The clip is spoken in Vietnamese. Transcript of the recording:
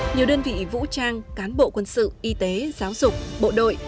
nhiều đơn vị vũ trang cán bộ quân sự y tế giáo dục bộ đội